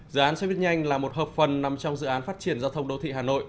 dự án xe buýt nhanh là một hợp phần nằm trong dự án phát triển giao thông đô thị hà nội